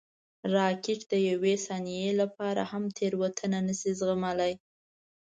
راکټ د یوې ثانیې لپاره هم تېروتنه نه شي زغملی